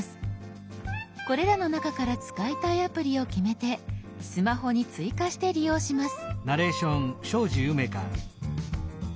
これらの中から使いたいアプリを決めてスマホに追加して利用します。